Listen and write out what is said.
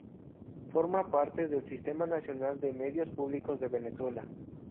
Forma parte del Sistema Nacional de Medios Públicos de Venezuela.